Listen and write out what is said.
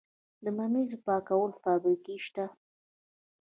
د ممیزو پاکولو فابریکې شته؟